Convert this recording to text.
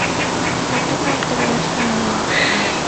একটা প্রাপ্তবয়স্কা মহিলা!